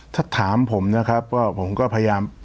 ถ้าถามผมนะครับว่าผมก็พยายาม